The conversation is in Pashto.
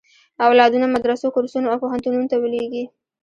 اولادونه مدرسو، کورسونو او پوهنتونونو ته ولېږي.